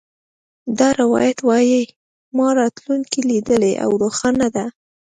دا روایت وایي ما راتلونکې لیدلې او روښانه ده